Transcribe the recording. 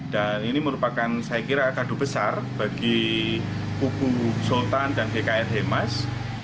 dan ini merupakan saya kira kado besar bagi puku sultan dan gkr hemas